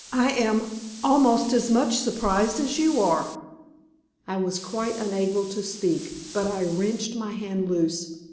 I am almost as much surprised as you are." I was quite unable to speak, but I wrenched my hand loose.